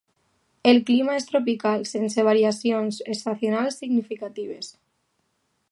El clima és tropical sense variacions estacionals significatives.